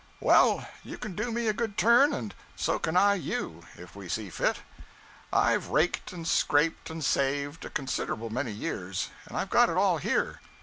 Well, you can do me a good turn, and so can I you, if we see fit. I've raked and scraped and saved, a considerable many years, and I've got it all here.'